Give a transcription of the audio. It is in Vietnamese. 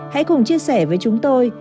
hãy cùng chia sẻ với chúng tôi